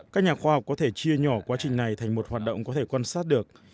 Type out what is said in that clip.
các nhà khoa học có thể chia nhỏ quá trình này thành một hoạt động có thể quan sát được